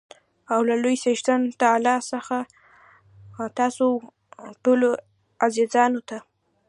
او له لوى څښتن تعالا څخه تاسو ټولو عزیزانو ته